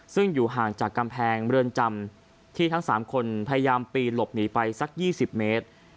ซึ่งอยู่ห่างจากกำแพงเรือนจำที่ทั้ง๓คนพยายามปีนหลบหนีไปสัก๒๐เมตร